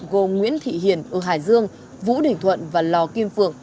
gồm nguyễn thị hiền ở hải dương vũ đình thuận và lò kim phượng